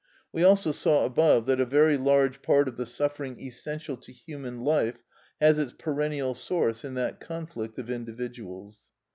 We also saw above that a very large part of the suffering essential to human life has its perennial source in that conflict of individuals.